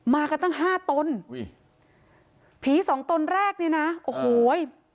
มากันตั้ง๕ตนผี๒ตนแรกเนี่ยนะโอ้โหย